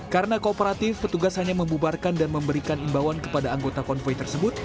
karena kooperatif petugas hanya membubarkan dan memberikan imbauan kepada anggota konvoy tersebut